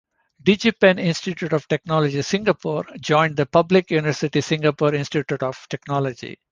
DigiPen Institute of Technology Singapore joined the public university Singapore Institute of Technology.